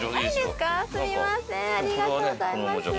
すみませんありがとうございます。